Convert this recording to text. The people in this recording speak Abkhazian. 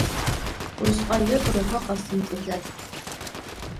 Усҟаҩык рхәы ҟасымҵаӡацт.